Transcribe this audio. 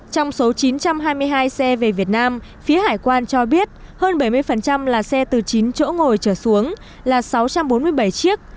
trong số chín trăm hai mươi hai xe về việt nam phía hải quan cho biết hơn bảy mươi là xe từ chín chỗ ngồi trở xuống là sáu trăm bốn mươi bảy chiếc